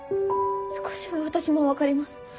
少しは私も分かります。